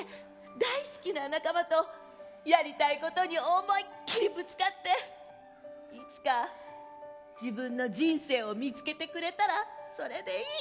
大好きな仲間とやりたいことに思いっきりぶつかっていつか自分の人生を見つけてくれたらそれでいい。